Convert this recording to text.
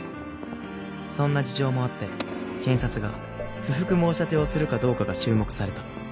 そんな事情もあって検察が不服申し立てをするかどうかが注目された。